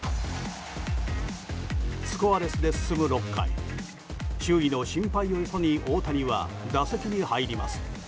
スコアレスで進む６回周囲の心配をよそに大谷は打席に入ります。